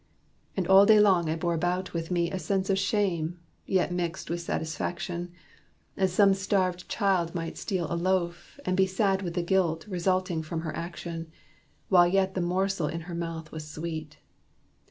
And all day long I bore about with me A sense of shame yet mixed with satisfaction, As some starved child might steal a loaf, and be Sad with the guilt resulting from her action, While yet the morsel in her mouth was sweet.